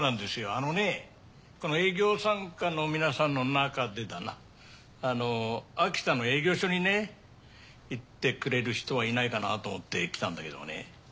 あのねこの営業三課の皆さんのなかでだなあの秋田の営業所にね行ってくれる人はいないかなと思って来たんだけどもね。